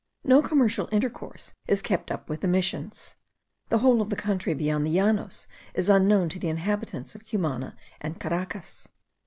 No commercial intercourse is kept up with the Missions. The whole of the country beyond the llanos is unknown to the inhabitants of Cumana and Caracas.